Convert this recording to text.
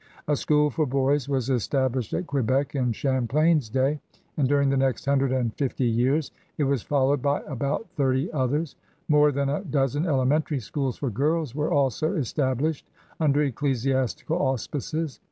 A school for boys was established at Quebec in Champlain's day, and during the next hundred and fifty years it was followed by about thirty others. More than a dozen elementary schools for girls were also established under ecclesiastical auspices.